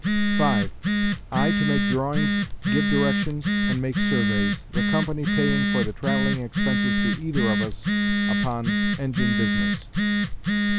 5. I to make drawings, give directions, and make surveys, the company paying for the travelling expenses to either of us when upon engine business.